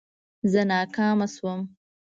زه ناکامه شوم